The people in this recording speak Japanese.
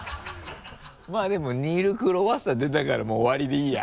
まぁでもニールクロワッサ出たからもう終わりでいいや。